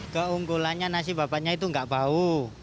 keunggulannya nasi babatnya itu nggak bau